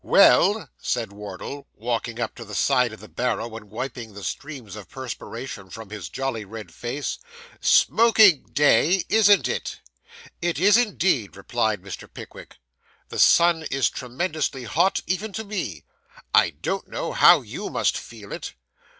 'Well,' said Wardle, walking up to the side of the barrow, and wiping the streams of perspiration from his jolly red face; 'smoking day, isn't it?' 'It is, indeed,' replied Mr. Pickwick. The sun is tremendously hot, even to me. I don't know how you must feel it.